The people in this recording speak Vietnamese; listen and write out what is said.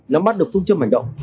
nắm bắt được phương châm hành động